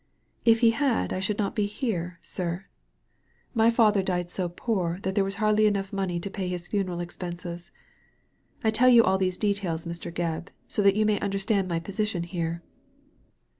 " If he had I should not be here, sir. My father died so poor that there was hardly enough money to pay his funeral expenses. I tell you all these details, Mr. Gebb, so that you may understand my position here.